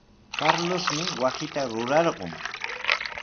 Carlosmi wasita rurarqun.